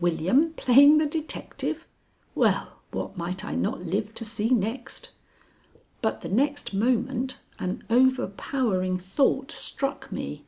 William playing the detective! Well, what might I not live to see next! But the next moment an overpowering thought struck me.